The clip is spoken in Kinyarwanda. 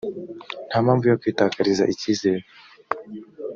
ntampamvu yokwitakariza ikizere.